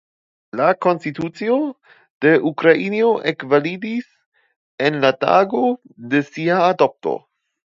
La Konstitucio de Ukrainio ekvalidis en la tago de sia adopto.